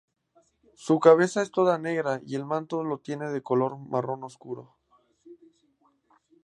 Su cabeza es toda negra y el manto lo tiene de color marrón oscuro.